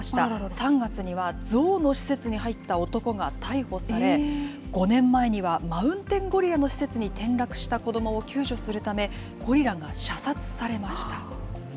３月にはゾウの施設に入った男が逮捕され、５年前にはマウンテンゴリラの施設に転落した子どもを救助するため、ゴリラが射殺されました。